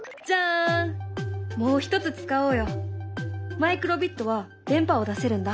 マイクロビットは電波を出せるんだ。